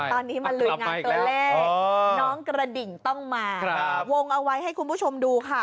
ตอนนี้มาลุยงานตัวเลขน้องกระดิ่งต้องมาวงเอาไว้ให้คุณผู้ชมดูค่ะ